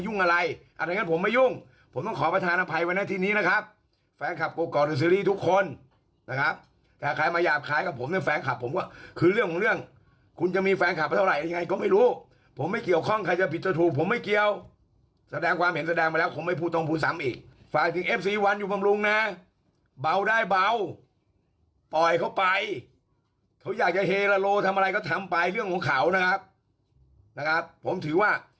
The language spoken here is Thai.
นะครับแต่ใครมาหยาบคลายกับผมเนี่ยแฟนคลับผมว่าคือเรื่องของเรื่องคุณจะมีแฟนคลับเท่าไหร่ยังไงก็ไม่รู้ผมไม่เกี่ยวข้องใครจะผิดจะถูกผมไม่เกี่ยวแสดงความเห็นแสดงไปแล้วผมไม่พูดตรงพูดซ้ำอีกฝ่ายถึงเอฟซีวันอยู่บำรุงนะเบาได้เบาปล่อยเขาไปเขาอยากจะเฮลโลทำอะไรก็ทำไปเรื่องของเขานะครับนะครับผมถือว่า